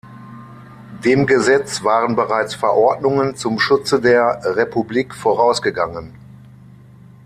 Dem Gesetz waren bereits Verordnungen zum Schutze der Republik vorausgegangen.